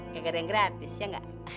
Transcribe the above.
gagal yang gratis ya gak